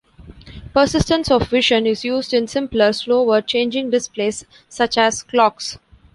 Persistence of vision is used in simpler, slower changing displays such as clocks.